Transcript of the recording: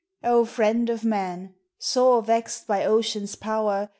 O friend of man! sore vexed by ocean's power.